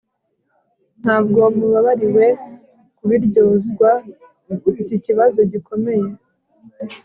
ntabwo mubabariwe kubiryozwa iki kibazo gikomeye